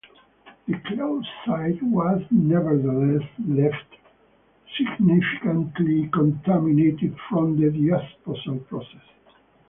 The closed site was neverrtheless left significantly contaminated from the disposal process.